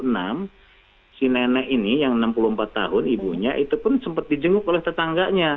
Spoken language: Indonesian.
si nenek ini yang enam puluh empat tahun ibunya itu pun sempat dijenguk oleh tetangganya